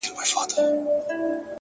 • نیلی مي زین دی روانېږمه بیا نه راځمه,